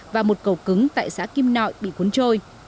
và một cầu cứng tại xã kim nội bị cuốn trôi